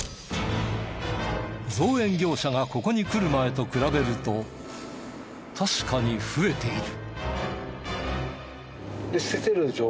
造園業者がここに来る前と比べると確かに増えている。